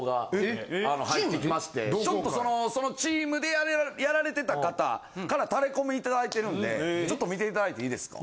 ちょっとそのチームでやられてた方からタレコミ頂いてるんでちょっと見て頂いていいですか？